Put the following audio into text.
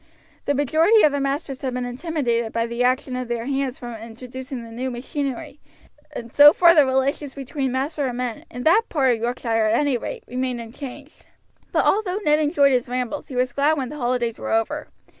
The majority of the masters had been intimidated by the action of their hands from introducing the new machinery, and so far the relations between master and men, in that part of Yorkshire at any rate, remained unchanged. But although Ned enjoyed his rambles he was glad when the holidays were over.